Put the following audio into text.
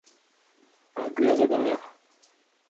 Ar gwir zo ganeoc'h.